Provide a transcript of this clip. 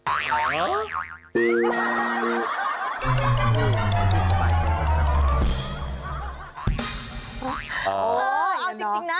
เออเอาจริงนะ